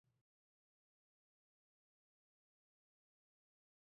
ټپه ده: زما په حق کافره یاره د بزرګۍ کیسې دې اورم و خاندمه